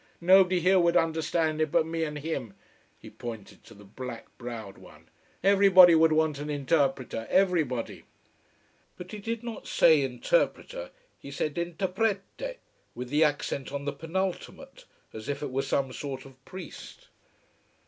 Nobody here would understand it but me and him " he pointed to the black browed one. "Everybody would want an interpreter everybody." But he did not say interpreter he said intreprete, with the accent on the penultimate, as if it were some sort of priest.